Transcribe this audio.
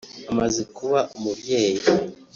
amaze kuba umubyeyi